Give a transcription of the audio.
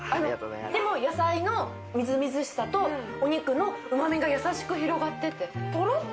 でも野菜のみずみずしさとお肉の旨味がやさしく広がってって。